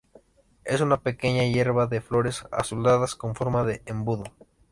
Es una pequeña hierba de flores azuladas con forma de embudo.